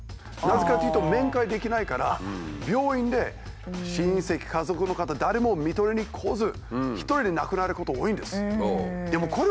なぜかっていうと面会できないから病院で親戚家族の方誰も看取りに来ず一人で亡くなること多いんです。